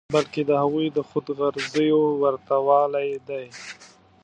بلکې د هغوی د خود غرضیو ورته والی دی.